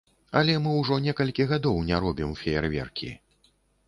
Але мы ўжо некалькі гадоў не робім феерверкі.